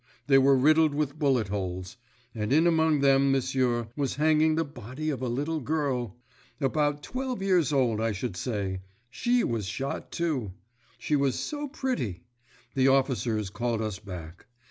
They were riddled with bullet holes. And in among them, m'sieur, was hanging the body of a little girl. About twelve years old, I should say. She was shot, too. She was so pretty.... The officers called us back.